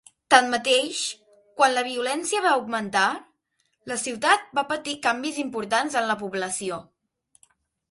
Tanmateix, quan la violència va augmentar, la ciutat va patir canvis importants en la població.